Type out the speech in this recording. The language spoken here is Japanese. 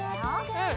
うん。